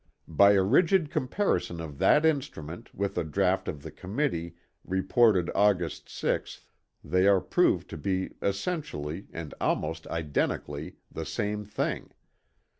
By a rigid comparison of that instrument with a Draught of the Committee reported August 6th they are proved to be essentially, and almost identically, the same thing.